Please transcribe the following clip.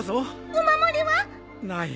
お守りは？ない。